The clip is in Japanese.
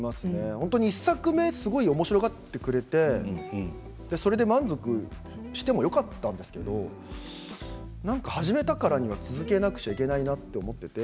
本当に１作目をすごいおもしろがってくれてそれで満足してもよかったんですけれど始めたからには続けなくちゃいけないなと思って。